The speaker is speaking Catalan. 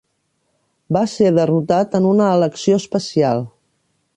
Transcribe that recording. Va ser derrotat en una elecció especial.